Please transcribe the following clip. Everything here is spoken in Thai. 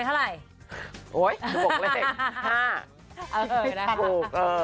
เออนะครับ